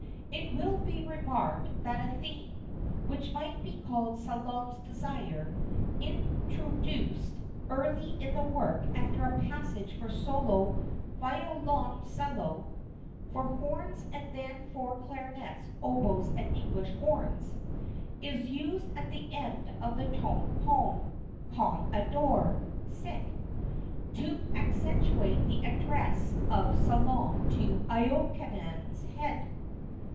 It will be remarked that a theme, which might be called Salome's desire, introduced early in the work after a passage for solo violoncello (for horns and then for clarinets, oboes, and English horns), is used at the end of the tone poem, 'con adore', to accentuate the address of Salome to Iokanaan's head.